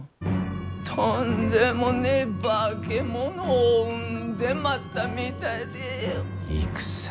とんでもねえ化け物を生んでまったみたいで。